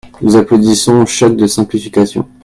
Nous applaudissons au choc de simplification.